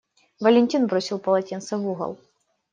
Валентин бросил полотенце в угол.